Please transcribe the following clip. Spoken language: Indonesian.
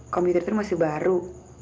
komputer itu masih baru